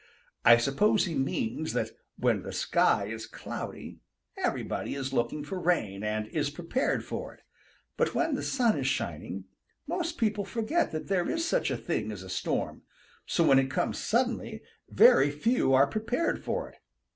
I suppose he means that when the sky is cloudy, everybody is looking for rain and is prepared for it, but when the sun is shining, most people forget that there is such a thing as a storm, so when it comes suddenly very few are prepared for it.